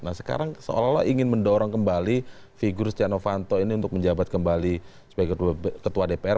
nah sekarang seolah olah ingin mendorong kembali figur setia novanto ini untuk menjabat kembali sebagai ketua dpr